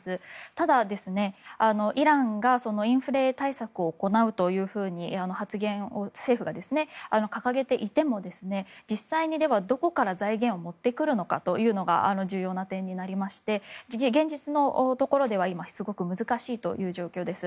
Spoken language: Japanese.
ただ、イランがインフレ対策を行うと政府が掲げていても実際にどこから財源を持ってくるのかというのが重要な点になりまして現実のところでは今すごく難しい状況です。